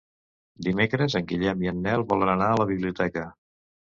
Dimecres en Guillem i en Nel volen anar a la biblioteca.